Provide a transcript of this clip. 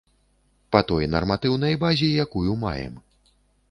Па той нарматыўнай базе, якую маем.